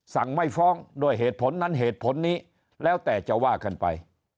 สั่งไม่ฟ้องด้วยเหตุผลนั้นเหตุผลนี้แล้วแต่จะว่ากันไป